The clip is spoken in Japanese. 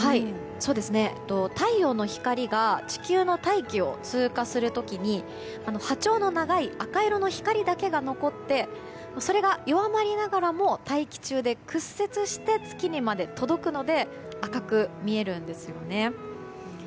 太陽の光が地球の大気を通過する時に波長の長い赤色の光だけが残ってそれが弱まりながらも大気中で屈折して月にまで届くので赤く見えるんですよね。